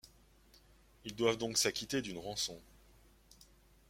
Ils doivent donc s’acquitter d'une rançon.